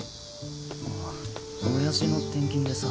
ああオヤジの転勤でさ。